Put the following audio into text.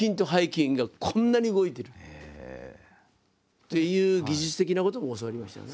っていう技術的なことも教わりましたね。